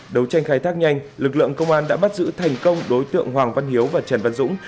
đấu tranh khai thác nhanh lực lượng công an đã bắt giữ thành công đối tượng hoàng văn hiếu và trần văn dũng